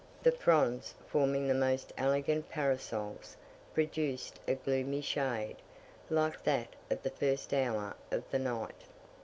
The fronds forming the most elegant parasols, produced a gloomy shade, like that of the first hour of the night.